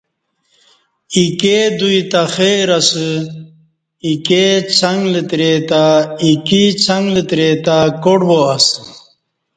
ایکے دوی تہ خیر اسہ ،ایکے څݣ لتری تہ کاٹ وا اسہ